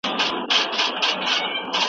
دیني لارښوونې زموږ په ژوند کي برکت اچوي.